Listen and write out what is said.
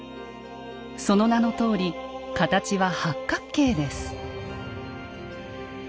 その名のとおり形は八角形です。